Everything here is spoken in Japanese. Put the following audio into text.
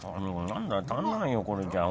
何だ足んないよこれじゃ。